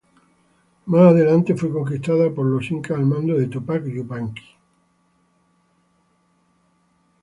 Más adelante fue conquistada por los incas al mando de Túpac Yupanqui.